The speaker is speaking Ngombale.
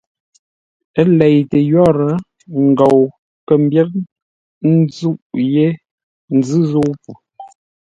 Ə́ leitə yórə́ ngou kə̂ mbyér nzûʼ yé nzʉ́ zə̂u po.